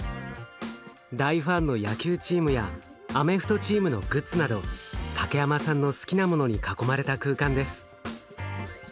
大ファンの野球チームやアメフトチームのグッズなど竹山さんの好きなものに囲まれた空間です。